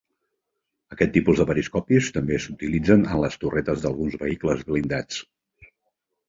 Aquest tipus de periscopis també s'utilitzen en les torretes d'alguns vehicles blindats.